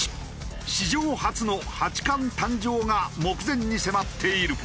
史上初の八冠誕生が目前に迫っている。